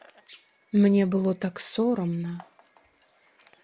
Мне было так сорамна.